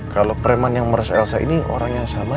kalau preman yang merasa elsa ini orang yang sama